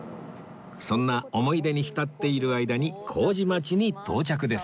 そんな思い出に浸っている間に麹町に到着です